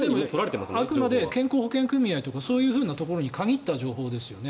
あくまで健康保険組合とかそういうところに限った情報ですよね。